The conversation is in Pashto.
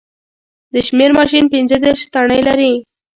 د شمېر ماشین پینځه دېرش تڼۍ لري